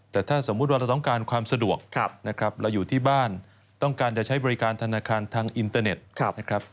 แต่ถ้าสมมุติว่าเราต้องการความสะดวกนะครับเราอยู่ที่บ้านต้องการจะใช้บริการธนาคารทางอินเตอร์เน็ตนะครับ